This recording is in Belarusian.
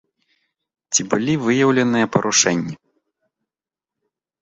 Ці былі выяўленыя парушэнні?